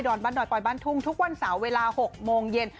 บ้านดอยปลอยบ้านทุ่งทุกวันเสาร์เวลา๖โมงเย็น